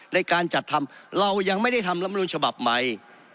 ในการจัดทำเรายังไม่ได้ทำลำนูลฉบับใหม่